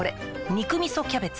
「肉みそキャベツ」